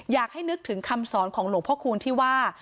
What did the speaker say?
อยากให้นึกถึงคำสอนของหลวงพ่อคูณที่ว่า